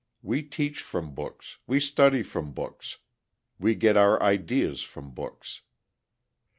We teach from books, we study from books, we get our ideas from books.